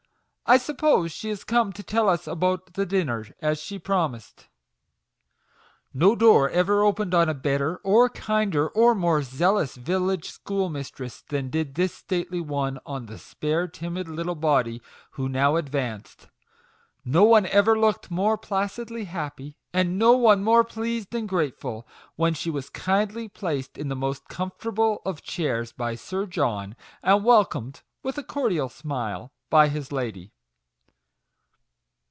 I suppose she is come to tell us all about the dinner, as she promised." No door ever opened on a better, or kinder, or more zealous village schoolmistress, than did this stately one on the spare, timid little body who now advanced. No one ever looked more placidly happy, and no one more pleased and grateful, when she was kindly placed in the most comfortable of chairs by Sir John, and welcomed with a cordial smile by his lady.